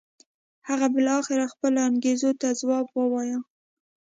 هغه بالاخره خپلو انګېزو ته ځواب و وایه.